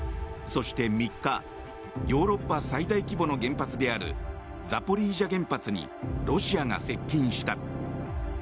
そして３日ヨーロッパ最大規模の原発であるザポリージャ原発にロシアが接近した。